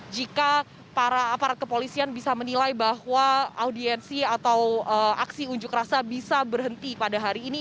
jika para aparat kepolisian bisa menilai bahwa audiensi atau aksi unjuk rasa bisa berhenti pada hari ini